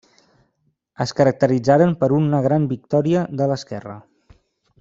Es caracteritzaren per una gran victòria de l'esquerra.